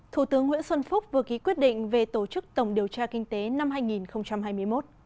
thủ tướng nguyễn xuân phúc vừa ký quyết định về tổ chức tổng điều tra kinh tế năm hai nghìn hai mươi một